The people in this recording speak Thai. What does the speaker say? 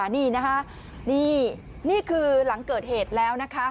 นี่นะคะนี่นี่คือหลังเกิดเหตุแล้วนะคะ